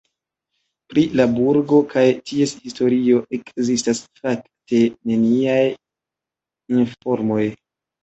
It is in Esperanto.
Pri la burgo kaj ties historio ekzistas fakte neniaj informoj.